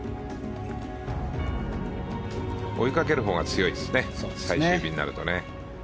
追いかけるほうが強いですね、最終日は。